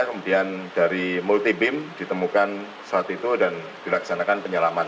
kemudian dari multibim ditemukan saat itu dan dilaksanakan penyelaman